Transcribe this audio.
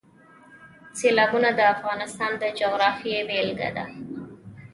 سیلابونه د افغانستان د جغرافیې بېلګه ده.